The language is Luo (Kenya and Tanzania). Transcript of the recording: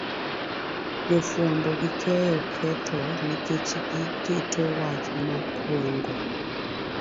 Jofuambo gi keyo ketho nikech giketo wach makwongo